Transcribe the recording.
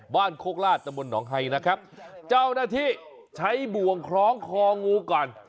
โคกลาดตะบนหนองไฮนะครับเจ้าหน้าที่ใช้บ่วงคล้องคองูก่อน